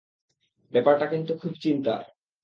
ব্যাপারটা কিন্তু খুব চিন্তার!